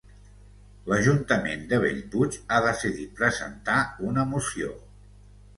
L'ajuntament de Bellpuig ha decidit presentar una moció